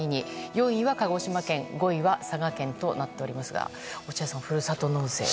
４位は鹿児島県５位は佐賀県となっておりますが落合さん、ふるさと納税は？